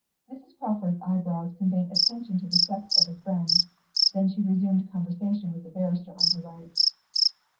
Mrs. Crawford's eyebrows conveyed attention to the sex of the friend; then she resumed conversation with the barrister on her right.